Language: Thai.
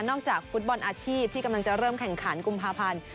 จากฟุตบอลอาชีพที่กำลังจะเริ่มแข่งขันกุมภาพันธ์